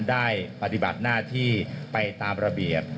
ปฏิบัติหน้าที่ไปตามระเบียบ